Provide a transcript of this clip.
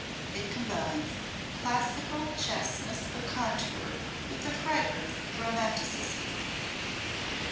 It combines "classical chasteness of contour with the fragrance of romanticism."